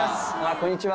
こんにちは。